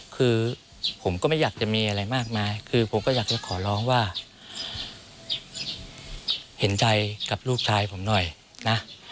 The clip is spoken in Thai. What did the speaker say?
คือผมก็ไม่อยากจะมีอะไรมากมายคือผมก็อยากจะขอร้องว่าเห็นใจกับลูกชายผมหน่อยนะ